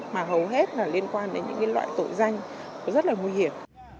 mà hầu hết là liên quan đến những loại tội danh rất là nguy hiểm